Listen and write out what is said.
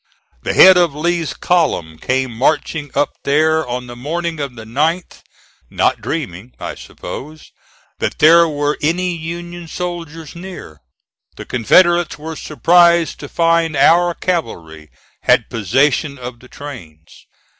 The head of Lee's column came marching up there on the morning of the 9th, not dreaming, I suppose, that there were any Union soldiers near. The Confederates were surprised to find our cavalry had possession of the trains.